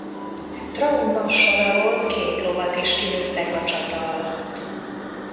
Traun marsall alól két lovat is kilőttek a csata alatt.